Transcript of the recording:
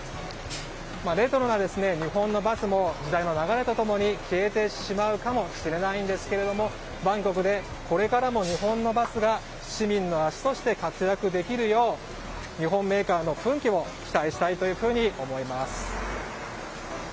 レトロな日本のバスも時代の流れと共に消えてしまうかもしれないですがバンコクでこれからも日本のバスが市民の足として活躍できるよう日本メーカーの奮起を期待したいというふうに思います。